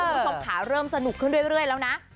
คุณผู้ชมขาเริ่มสนุกขึ้นเรื่อยแล้วนะ